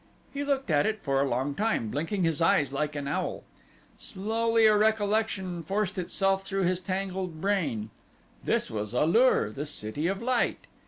He looked at it for a long time, blinking his eyes like an owl. Slowly a recollection forced itself through his tangled brain. This was A lur, the City of Light.